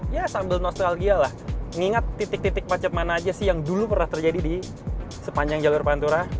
ya sambil nostalgia lah mengingat titik titik macet mana aja sih yang dulu pernah terjadi di sepanjang jalur pantura